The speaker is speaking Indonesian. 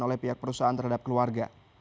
oleh pihak perusahaan terhadap keluarga